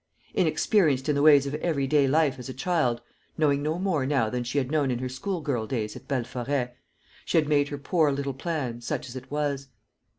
Inexperienced in the ways of every day life as a child knowing no more now than she had known in her school girl days at Belforêt she had made her poor little plan, such as it was.